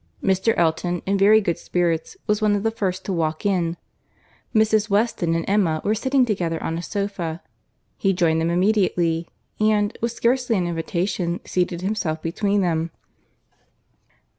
Mr. Elton, in very good spirits, was one of the first to walk in. Mrs. Weston and Emma were sitting together on a sofa. He joined them immediately, and, with scarcely an invitation, seated himself between them.